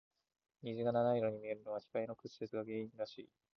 虹が七色に見えるのは、光の屈折が原因らしいよ。